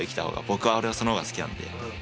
僕はその方が好きなんで。